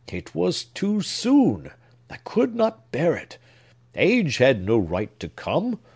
It was too soon! I could not bear it! Age had no right to come!